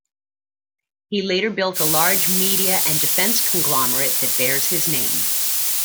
He later built a large media and defense conglomerate that bears his name.